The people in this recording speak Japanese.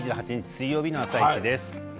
水曜日の「あさイチ」です。